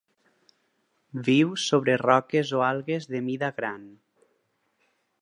Viu sobre roques o algues de mida gran.